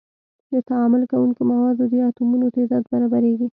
د تعامل کوونکو موادو د اتومونو تعداد برابریږي.